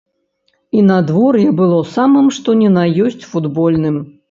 І надвор'е было самым што ні на ёсць футбольным.